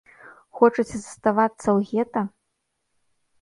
Хочаце заставацца ў гета?